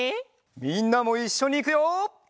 みんなもいっしょにいくよ！